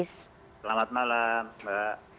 selamat malam mbak